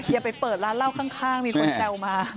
อย่าไปเปิดร้านเหล้าข้างมีคนแซวมา